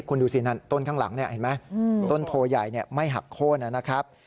คุณดูสินั่นต้นข้างหลังเห็นไหมต้นโพใหญ่ไม่หักโค้นนะครับ